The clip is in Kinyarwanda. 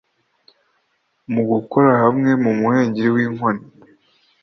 Mugukora hamwe numuhengeri winkoni